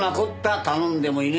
頼んでもいねえのに。